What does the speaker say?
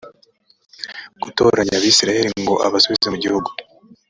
gutoranya abisirayeli ngo abasubize mu gihugu